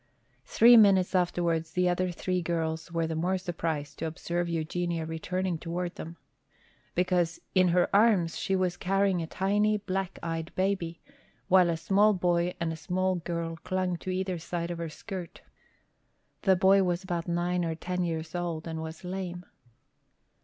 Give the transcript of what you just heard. Three minutes afterwards the other three girls were the more surprised to observe Eugenia returning toward them. Because in her arms she was carrying a tiny, black eyed baby, while a small boy and a small girl clung to either side of her skirt. The boy was about nine or ten years old and was lame.